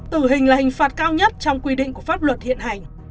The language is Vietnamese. tử hình là hình phạt cao nhất trong quy định của pháp luật hiện hành